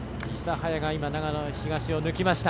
諫早が長野東を抜きました。